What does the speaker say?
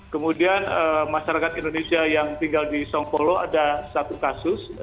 kemudian masyarakat indonesia yang tinggal di songkolo ada satu kasus